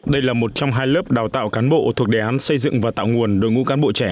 đây là một trong hai lớp đào tạo cán bộ thuộc đề án xây dựng và tạo nguồn đối ngũ cán bộ trẻ